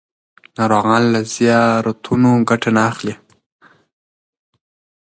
ناروغان له زیارتونو ګټه نه اخلي.